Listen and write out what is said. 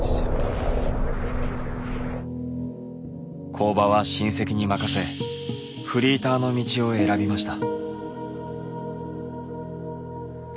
工場は親戚に任せフリーターの道を選びました。